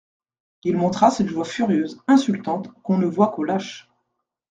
Il montra cette joie furieuse, insultante, qu'on ne voit qu'aux lâches.